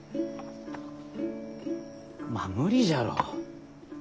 まあ無理じゃろ。